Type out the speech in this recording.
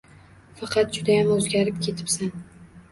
Faqat judayam o`zgarib ketibsan